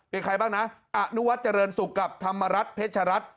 เป็นใครบ้างนะอนุวัฒนเจริญสุขกับธรรมรัฐเพชรัตน